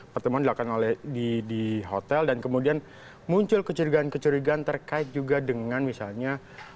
pertemuan dilakukan oleh di hotel dan kemudian muncul kecurigaan kecurigaan terkait juga dengan misalnya